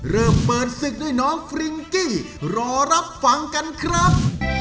เริ่มเปิดศึกด้วยน้องฟริงกี้รอรับฟังกันครับ